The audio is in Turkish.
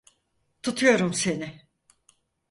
Tutuyorum seni.